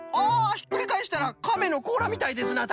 ひっくりかえしたらカメのこうらみたいですなたしかに！